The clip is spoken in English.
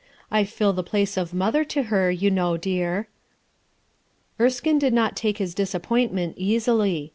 I fill the place of mother to her, you know, dear." Erskine did not take bis disappointment easily.